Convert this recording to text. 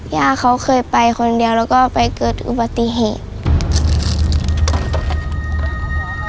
ย่าเขาเคยไปคนเดียวแล้วก็ไปเกิดอุบัติเหตุ